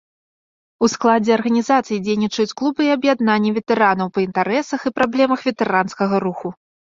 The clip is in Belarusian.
У складзе арганізацыі дзейнічаюць клубы і аб'яднанні ветэранаў па інтарэсах і праблемах ветэранскага руху.